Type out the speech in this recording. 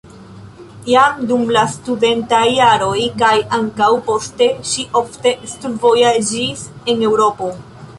Jam dum la studentaj jaroj kaj ankaŭ poste ŝi ofte studvojaĝis en Eŭropo.